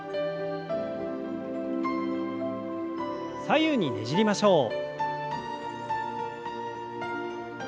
左右にねじりましょう。